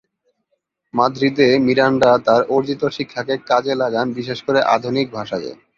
মাদ্রিদে Miranda তার অর্জিত শিক্ষাকে কাজে লাগান বিশেষ করে আধুনিক ভাষাকে।